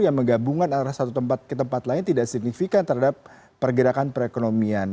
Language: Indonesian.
yang menggabungkan antara satu tempat ke tempat lain tidak signifikan terhadap pergerakan perekonomian